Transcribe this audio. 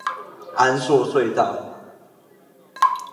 安朔隧道